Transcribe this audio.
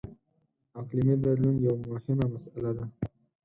• اقلیمي بدلون یوه مهمه مسله ده.